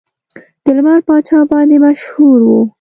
د لمر پاچا باندې مشهور و.